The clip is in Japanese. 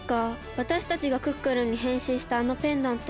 わたしたちがクックルンにへんしんしたあのペンダントは。